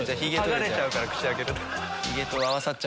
剥がれちゃう口開けると。